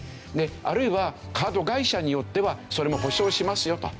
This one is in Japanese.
あるいはカード会社によってはそれも補償しますよと。